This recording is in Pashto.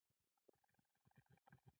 دا تیاتر د روم په نوم یادیږي.